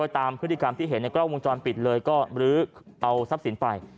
ตามที่เห็นกล้ากาววงจรปิดน่ะเอาทรัพย์ศิลป์ไป